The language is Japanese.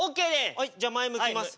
はいじゃあ前向きます。